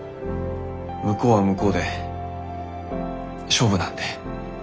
向こうは向こうで勝負なんで。